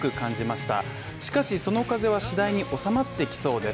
しかしその風は次第におさまってきそうです。